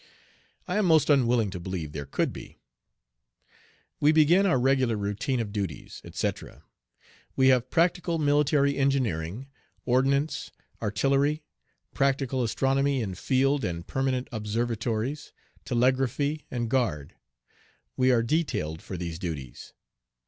I am most unwilling to believe there could be. We begin our regular routine of duties, etc. We have practical military engineering, ordnance, artillery, practical astronomy in field and permanent observatories, telegraphy, and guard. We are detailed for these duties.